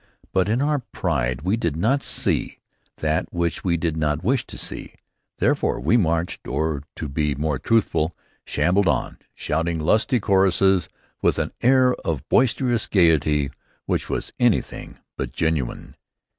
But in our pride we did not see that which we did not wish to see. Therefore we marched, or, to be more truthful, shambled on, shouting lusty choruses with an air of boisterous gayety which was anything but genuine.